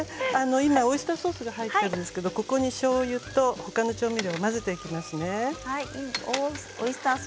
今オイスターソースが入っているんですけどしょうゆとほかの調味料を混ぜていきますね。